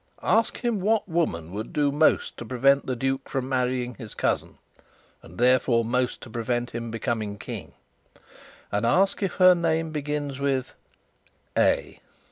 "Ask him what woman would do most to prevent the duke from marrying his cousin, and therefore most to prevent him becoming king? And ask if her name begins with A?"